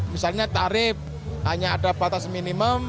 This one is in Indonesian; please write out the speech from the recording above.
misalnya tarif hanya ada batas minimum